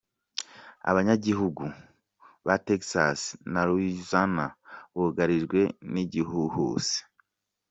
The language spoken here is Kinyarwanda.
Abanyagihugu ba Texas na Louisiana bugarijwe n'igihuhusi.